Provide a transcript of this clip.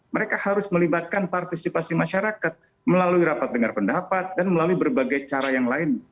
mereka harus melibatkan partisipasi masyarakat melalui rapat dengar pendapat dan melalui berbagai cara yang lain